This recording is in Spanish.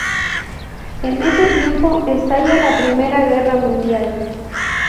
En ese tiempo estalla la Primera Guerra Mundial.